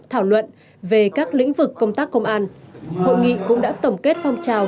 thảo luận về các lĩnh vực công tác công an hội nghị cũng đã tổng kết phong trào